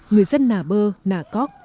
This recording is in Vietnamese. người dân nà bơ nà cóc